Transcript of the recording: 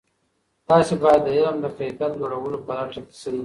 تاسې باید د علم د کیفیت لوړولو په لټه کې سئ.